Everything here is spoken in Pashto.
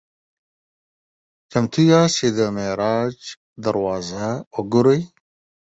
"چمتو یاست چې د معراج دروازه وګورئ؟"